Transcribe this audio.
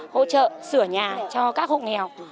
hỗ trợ sửa nhà cho các hộ nghèo